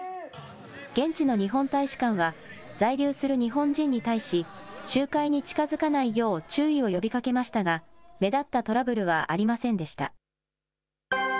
現地の日本大使館は、在留する日本人に対し、集会に近づかないよう注意を呼びかけましたが、目立ったトラブルはありませんでした。